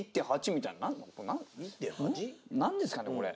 １．８？何ですかねこれ。